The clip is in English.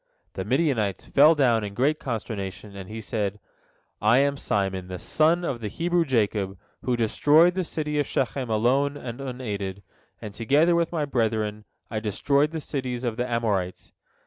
The Midianites fell down in great consternation, and he said: "I am Simon, the son of the Hebrew Jacob, who destroyed the city of Shechem alone and unaided, and together with my brethren I destroyed the cities of the Amorites.